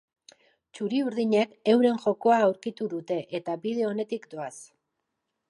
Txuri-urdinek euren jokoa aurkitu dute, eta bide honetik doaz.